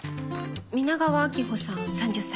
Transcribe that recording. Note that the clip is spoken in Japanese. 皆川晶穂さん３０歳。